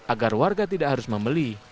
agar warga tidak harus membeli